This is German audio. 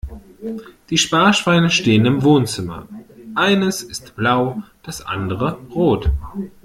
Die Sparschweine stehen im Wohnzimmer, eines ist blau das andere rot.